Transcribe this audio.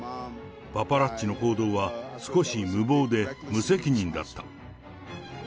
パパラッチの行動は、少し無謀で無責任だった。